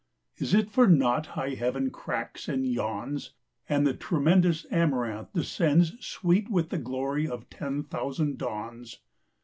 ... Is it for naught high Heaven cracks and yawns And the tremendous Amaranth descends Sweet with the glory of ten thousand dawns